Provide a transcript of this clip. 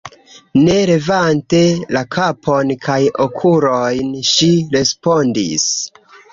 Ne levante la kapon kaj okulojn, ŝi respondis: